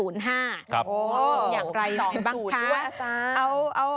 นี่คะน่าสาว